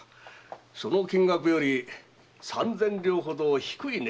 その金額より三千両ほど低い値を入れろ。